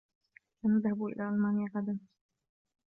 سنذهب إلى ألمانيا غداً.